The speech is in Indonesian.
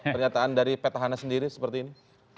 pernyataan dari petahana sendiri seperti ini